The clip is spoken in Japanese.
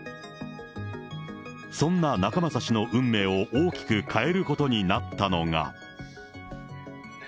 そんな仲正氏の運命を大きく変えることになったのが。